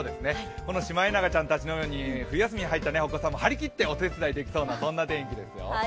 このシマエナガちゃんたちのように冬休みに入ったお子さんたちも張り切ってお手伝いできそうなそんな天気ですよ。